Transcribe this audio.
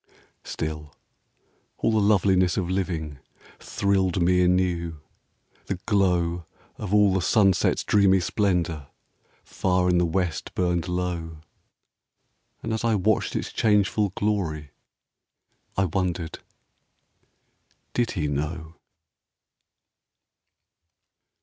Still, all the loveliness of living Thrilled me anew ; the glow Of all the sunset's dreamy splendor. Far in the west burned low. And as I watched its changeful glory I wondered, —" Did he know?